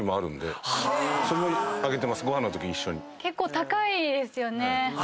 結構高いですよね。